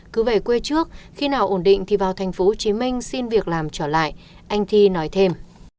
cứ về quê trước khi nào ổn định thì vào tp hcm xin việc làm trở lại anh thi nói thêm